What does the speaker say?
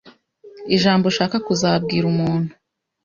ijambo ushaka kuzabwira umuntu.